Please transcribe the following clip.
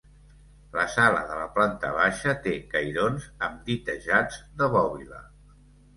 La sala de la planta baixa té cairons amb ditejats de bòbila.